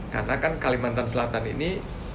karena kan kalimantan selatan ini